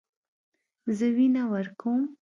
زه وینه ورکوم.